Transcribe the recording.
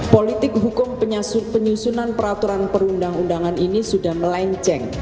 politik hukum penyusunan peraturan perundang undangan ini sudah melenceng